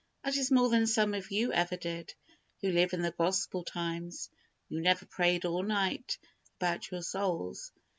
That is more than some of you ever did, who live in the Gospel times. You never prayed all night about your souls.